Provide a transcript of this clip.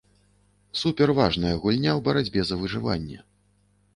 Суперважная гульня ў барацьбе за выжыванне.